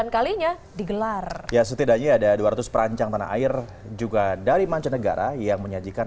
kalinya digelar ya setidaknya ada dua ratus perancang tanah air juga dari mancanegara yang menyajikan